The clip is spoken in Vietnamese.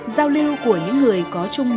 giao lưu của những người có trung tâm